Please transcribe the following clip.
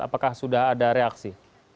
apakah sudah ada reaksi